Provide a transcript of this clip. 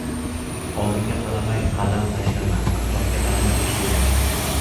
• Oldinga qaramay qadam tashlama, atrofga qaramay so‘z boshlama.